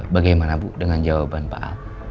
bagaimana bu dengan jawaban pak